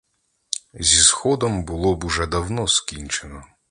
Зі сходом було б уже давно скінчено.